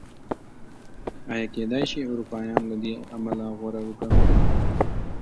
ایا کېدای شي اروپایان له دې امله غوره وګڼو؟